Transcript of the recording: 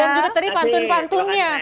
dan juga tadi pantun pantunnya